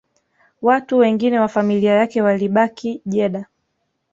Watu wengine wa familia yake walibaki Jeddah